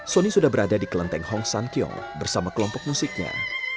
sony sudah berada di kelenteng hong san kiong bersama kelompok musiknya